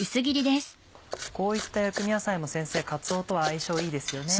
こういった薬味野菜も先生かつおとは相性いいですよね。